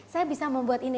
saya bisa membuat ini